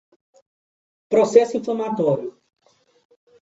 Processo inflamatório